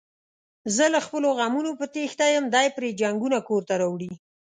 زه له خپلو غمونو په تېښته یم، دی پري جنگونه کورته راوړي.